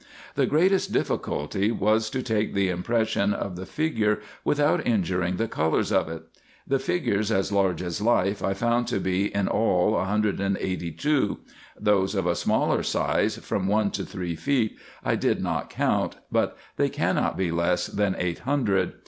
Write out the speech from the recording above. The greatest difficulty was to take the impression of the figure without injuring the colours of it. The figures as large as life I found to be in all a hundred and eighty two : those of a smaller size, from one to three feet, I did not count, but they cannot be less than eight hundred.